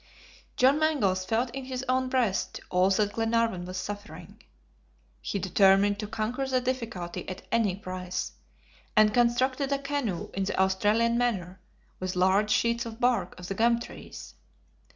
John Mangles felt in his own breast all that Glenarvan was suffering. He determined to conquer the difficulty at any price, and constructed a canoe in the Australian manner, with large sheets of bark of the gum trees.